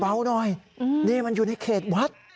เบาหน่อยนี่มันอยู่ในเขตวัด